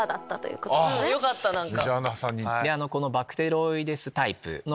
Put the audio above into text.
よかった何か。